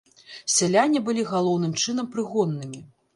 Сяляне былі галоўным чынам прыгоннымі.